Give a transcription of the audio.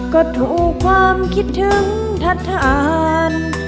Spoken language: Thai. ก็ถูกความคิดถึงทัศน